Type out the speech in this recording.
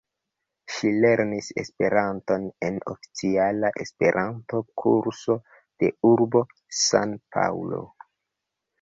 Ŝi lernis Esperanton en oficiala Esperanto-Kurso de urbo San-Paŭlo.